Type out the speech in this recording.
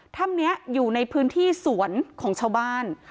ถ้ำนี้อยู่ในพื้นที่สวนของชาวบ้าน